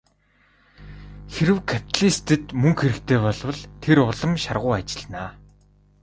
Хэрэв капиталистад мөнгө хэрэгтэй болбол тэр улам шаргуу ажиллана.